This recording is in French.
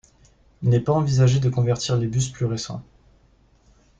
Il n'est pas envisagé de convertir les bus plus récents.